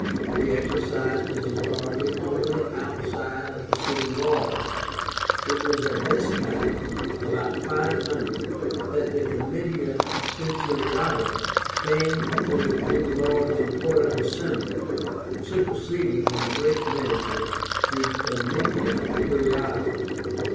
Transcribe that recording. He exercised his authority only outside of the city walls. It was at this time, about 500, that the COMITIA CENTURIÁTA came to be the more important assembly, superseding in a great measure the COMITIA CURIÁTA.